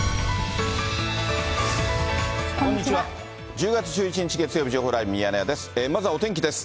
１０月１１日月曜日、情報ライブミヤネ屋です。